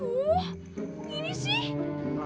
loh ini sih